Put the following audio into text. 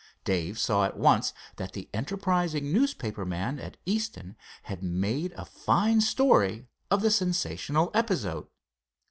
Dave saw at once that the enterprising newspaper man at Easton had made a fine story of the sensational episode.